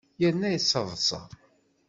Yerna yettaḍṣa.